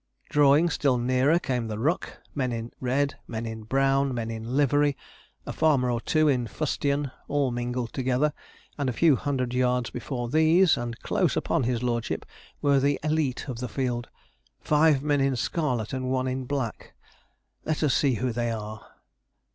Drawing still nearer came the ruck men in red, men in brown, men in livery, a farmer or two in fustian, all mingled together; and a few hundred yards before these, and close upon his lordship, were the élite of the field five men in scarlet and one in black. Let us see who they are.